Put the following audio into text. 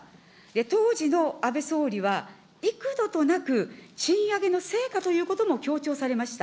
当時の安倍総理は、幾度となく、賃上げの成果ということも強調されました。